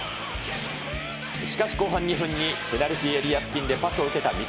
しかし、後半２分にペナルティーエリア付近でパスを受けた三笘。